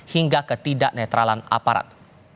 hingga ketidak netralan aparat